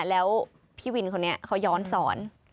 แล้วพี่วินคนนี้เขาย้อนสอน